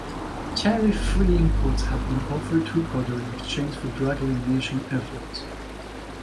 Tariff free imports had been offered to Ecuador in exchange for drug elimination efforts.